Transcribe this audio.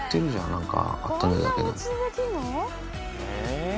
何か温めるだけの。